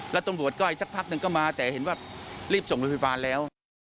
แล้วตรงบทก็ไอ้ชักพักนึงก็มาแต่เห็นว่ารีบส่งไปบรรทัดแล้ว